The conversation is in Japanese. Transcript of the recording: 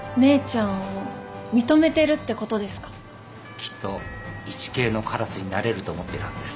きっとイチケイのカラスになれると思っているはずです。